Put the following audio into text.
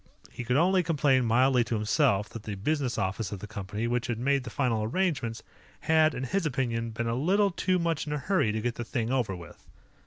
He could only complain mildly to himself that the business office of the company, which had made the final arrangements, had, in his opinion, been a little too much in a hurry to get the thing over with.